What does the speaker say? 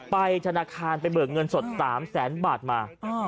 ไปธนาคารไปเบิกเงินสด๓แสนบาทมา